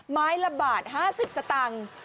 ไม้ละบาท๕๐สตางค์